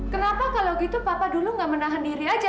kenapa kalau gitu papa dulu nggak menahan diri aja